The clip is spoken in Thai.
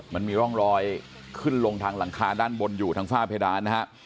มันมีร่องรอยขึ้นลงทางหลังคาด้านบนอยู่ทางฝ้าเพดานนะฮะ